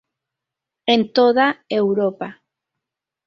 En toda Europa.